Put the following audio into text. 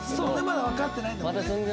まだわかってないんだもんね。